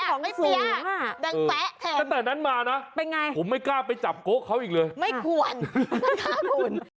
แปะอ่ะไม่สูงอ่ะดังแปะแทนเป็นนั้นมานะผมไม่กล้าไปจับโก๊ะเขาอีกเลยไม่ควร